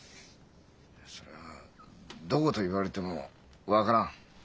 そりゃどこと言われても分からん。